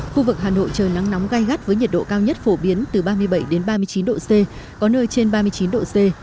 khu vực hà nội trời nắng nóng gai gắt với nhiệt độ cao nhất phổ biến từ ba mươi bảy ba mươi chín độ c có nơi trên ba mươi chín độ c